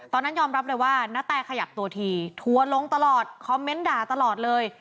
ตอนนั้นยอมรับเลยว่าณแตขยับตัวทีทัวร์ลงตลอดคอมเมนต์ด่าตลอดเลย